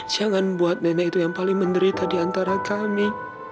jangan buat nenek itu yang paling menderita di antara kami